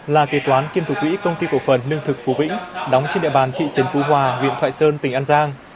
là kế toán kiêm thủ quỹ công ty cổ phần lương thực phú vĩnh đóng trên địa bàn thị trấn phú hòa huyện thoại sơn tỉnh an giang